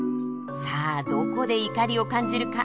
さあどこで怒りを感じるか。